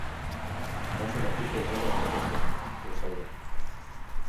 Eraso matxista igandean jazo zen, goizaldean.